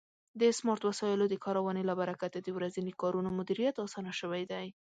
د سمارټ وسایلو د کارونې له برکت د ورځني کارونو مدیریت آسانه شوی دی.